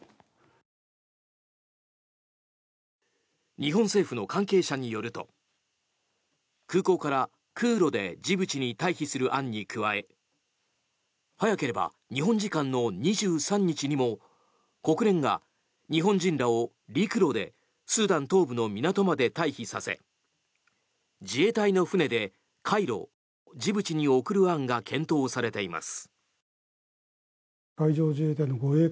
日本政府の関係者によると空港から空路でジブチに退避する案に加え早ければ日本時間の２３日にも国連が日本人らを陸路でスーダン東部の港まで退避させ自衛隊の船で海路ジブチに送る案が検討されています。